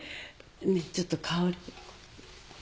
ねえちょっと香織。